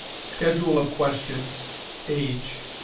Schedule of Questions. Age.